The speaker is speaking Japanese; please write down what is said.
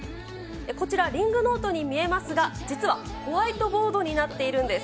こちら、リングノートに見えますが、実はホワイトボードになっているんです。